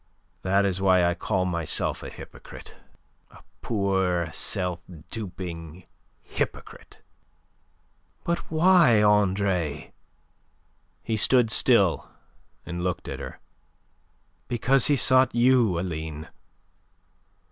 That is why I call myself a hypocrite, a poor, self duping hypocrite." "But why, Andre?" He stood still and looked at her. "Because he sought you, Aline.